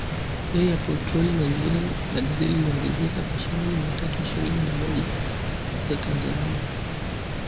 Bei ya petroli na dizeli iliongezeka kwa shilingi Mia tatu ishirini moja za Tanzania